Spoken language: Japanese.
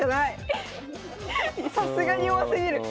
さすがに弱すぎる。